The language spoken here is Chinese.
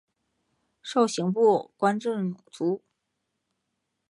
授刑部观政卒。